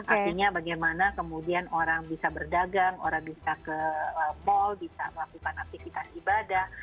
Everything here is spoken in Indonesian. artinya bagaimana kemudian orang bisa berdagang orang bisa ke mal bisa melakukan aktivitas ibadah